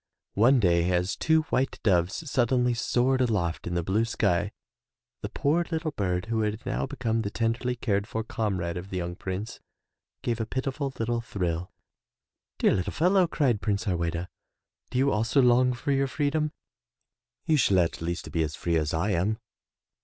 One day as two white doves suddenly soared aloft in the blue sky the poor little bird who had now become the tenderly cared for comrade of the young Prince, gave a pitiful little thrill. "Dear little fellow," cried Prince Harweda, "do you also long for your free dom? You shall at least be as free as I am.'